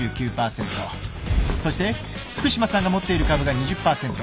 そして福島さんが持っている株が２０％。